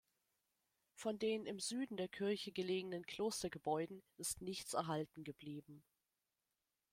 Von den im Süden der Kirche gelegenen Klostergebäuden ist nichts erhalten geblieben.